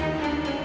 ya allah gimana ini